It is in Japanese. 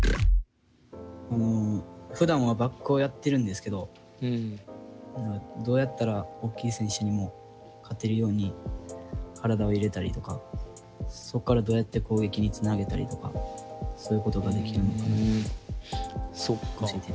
ふだんはバックをやってるんですけどどうやったら大きい選手にも勝てるように体を入れたりとかそこからどうやって攻撃につなげたりとかそういうことができるのか教えて頂きたいです。